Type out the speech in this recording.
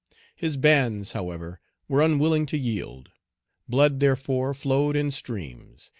His bands, however, were unwilling to yield. Blood, therefore, flowed in streams.